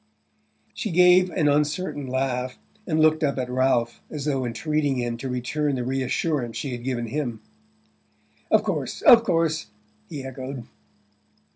She gave an uncertain laugh, and looked up at Ralph as though entreating him to return the reassurance she had given him. "Of course, of course," he echoed.